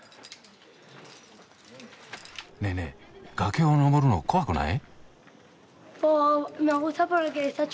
ねえねえ崖を登るの怖くない？